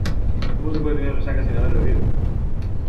¿Cómo se puede tener resaca sin haber bebido?